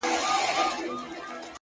• شكر چي ښكلا يې خوښــه ســوېده ـ